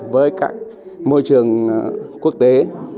với môi trường quốc tế